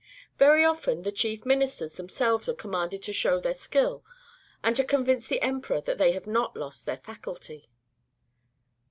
Very often the chief ministers themselves are commanded to show their skill, and to convince the emperor that they have not lost their faculty.